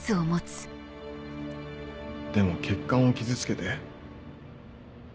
でも血管を傷つけて。